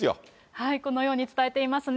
はい、このように伝えていますね。